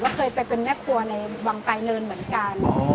ก็เคยไปเป็นแม่ครัวในวังไกลเนินเหมือนกัน